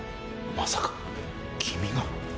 まさか君が。